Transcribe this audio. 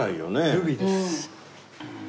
ルビーです。